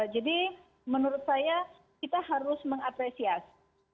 jadi menurut saya kita harus mengapresiasi